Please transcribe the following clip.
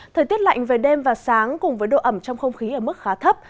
thời tiết lạnh về đêm và sáng cùng với độ ẩm trong không khí ở mức khá thấp